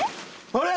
あれ？